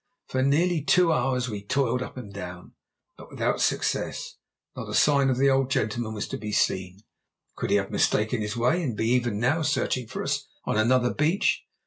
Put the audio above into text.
For nearly two hours we toiled up and down, but without success. Not a sign of the old gentleman was to be seen. Could he have mistaken his way and be even now searching for us on another beach?